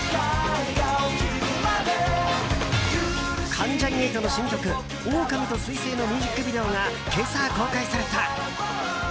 関ジャニ∞の新曲「オオカミと彗星」のミュージックビデオが今朝、公開された。